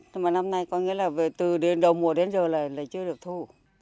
thế mà năm nay có nghĩa là từ đầu mùa đến giờ là lại chưa được thu